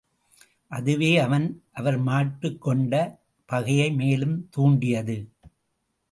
அதுவே அவன் அவர் மாட்டுக் கொண்ட பகையை மேலும் தூண்டியது.